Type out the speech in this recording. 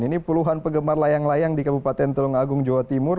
ini puluhan penggemar layang layang di kabupaten tulung agung jawa timur